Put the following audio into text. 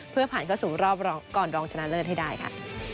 เพื่อผ่านเข้าสู่รอบก่อนรองชนะเลิศให้ได้ค่ะ